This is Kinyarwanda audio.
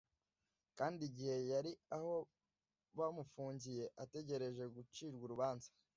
kandi igihe yari aho bamufungiye ategereje gucirwa urubanza,